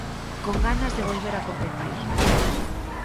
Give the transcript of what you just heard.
Con ganas de volver a competir.